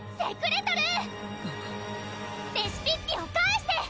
・レシピッピを返して！